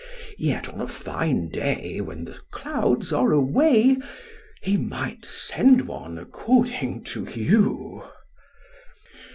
Yet on a fine day, when the clouds are away, he might send one, according to you.